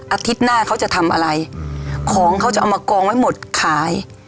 อาทิตย์หน้าเขาจะทำอะไรของเขาจะเอามากองไว้หมดขาย